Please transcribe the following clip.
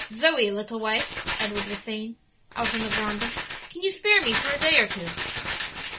"Zoe, little wife," Edward was saying, out on the veranda, "can you spare me for a day or two?"